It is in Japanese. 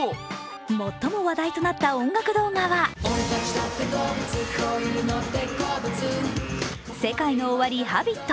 最も話題となった音楽動画はＳＥＫＡＩＮＯＯＷＡＲＩ「Ｈａｂｉｔ」。